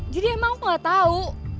jadi emang aku gak tahu